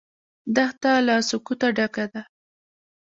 دښته له سکوته ډکه ده.